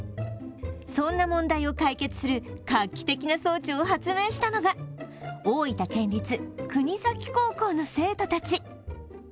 そんな問題を解決する画期的な装置を発明したのが大分県立国東高校の生徒たち。